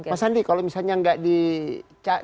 mas sandi kalau misalnya nggak